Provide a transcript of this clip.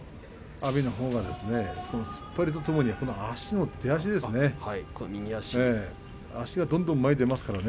阿炎のほうが突っ張りとともに足の出足ですね。